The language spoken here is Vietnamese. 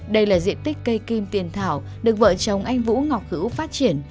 đây là diện tích cây kim tiền thảo được vợ chồng anh vũ ngọc hữu phát triển